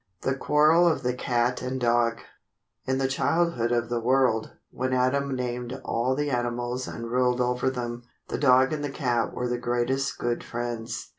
The Quarrel of the Cat and Dog In the childhood of the world, when Adam named all the animals and ruled over them, the dog and the cat were the greatest good friends.